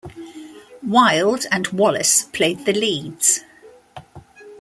Wilde and Wallace played the leads.